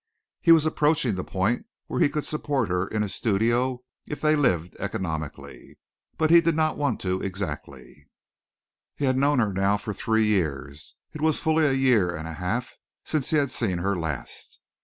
He was approaching the point where he could support her in a studio if they lived economically. But he did not want to exactly. He had known her now for three years. It was fully a year and a half since he had seen her last.